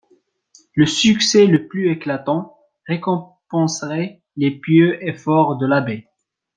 Le succès le plus éclatant récompenserait les pieux efforts de l'abbé.